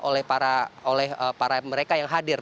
oleh para mereka yang hadir